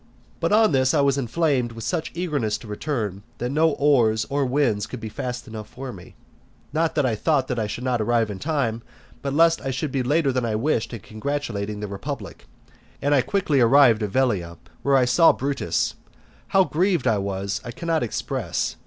IV. But on this I was inflamed with such eagerness to return, that no oars or winds could be fast enough for me; not that I thought that I should not arrive in time, but lest I should be later than I wished in congratulating the republic; and I quickly arrived at Velia, where I saw Brutus; how grieved I was, I cannot express.